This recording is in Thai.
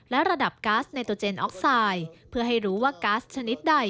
และระดับแก๊สให้รู้ว่าก๊าสชนิดใด